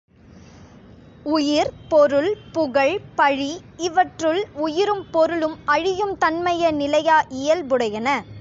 உயிர், பொருள், புகழ், பழி இவற்றுள் உயிரும் பொருளும் அழியும் தன்மைய நிலையா இயல் புடையன.